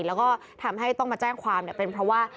แล้วก็ทำให้ต้องมาแจ้งความเป็นเพราะว่า